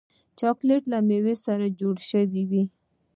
چاکلېټ له میوو جوړ شوی وي.